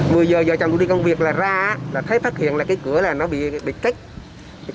vừa giờ vợ chàng tôi đi công việc là ra là thấy phát hiện là cái cửa là nó bị kích